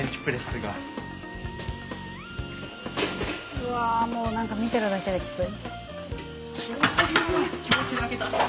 うわもう何か見てるだけできつい。